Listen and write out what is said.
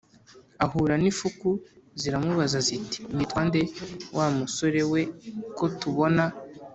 ahura n'ifuku. ziramubaza ziti: "witwa nde wa musore we ko tubona